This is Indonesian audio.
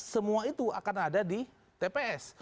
semua itu akan ada di tps